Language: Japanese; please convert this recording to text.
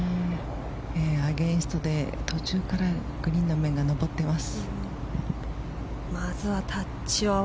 アゲンストで途中からグリーンの面が上っています。